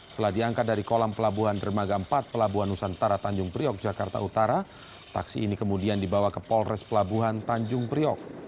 setelah diangkat dari kolam pelabuhan dermaga empat pelabuhan nusantara tanjung priok jakarta utara taksi ini kemudian dibawa ke polres pelabuhan tanjung priok